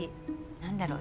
何だろう